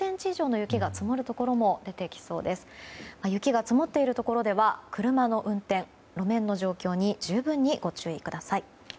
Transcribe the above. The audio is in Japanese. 雪が積もっているところでは車の運転路面の状況に十分にご注意ください。